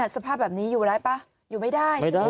สภาพแบบนี้อยู่ร้ายป่ะอยู่ไม่ได้